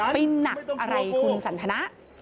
ปริ่นหนักอะไรคุณสันทนะ